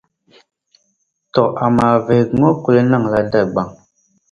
Tɔ amaa vihigu ŋɔ kuli niŋla Dagbaŋ